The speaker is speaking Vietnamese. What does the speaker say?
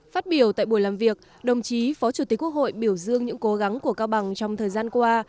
phát biểu tại buổi làm việc đồng chí phó chủ tịch quốc hội biểu dương những cố gắng của cao bằng trong thời gian qua